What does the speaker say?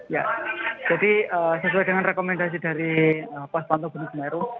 ya jadi sesuai dengan rekomendasi dari pusat pantau gunung semeru